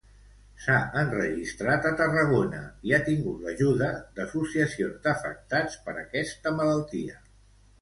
S'ha enregistrat a Tarragona i ha tingut l'ajuda d'associacions d'afectats per aquesta malaltia.